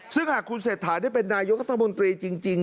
ซึ่งหากคุณเศรษฐาได้เป็นนายกรัฐมนตรีจริง